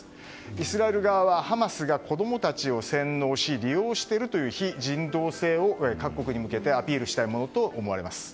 イスラエル側はハマスが子供たちを洗脳し利用しているという非人道性を各国に向けてアピールしたいものとみられます。